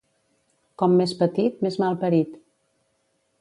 Com més petit, més malparit.